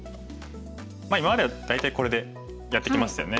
今までは大体これでやってきましたよね。